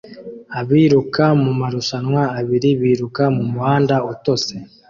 Abiruka mu marushanwa abiri biruka mu muhanda utose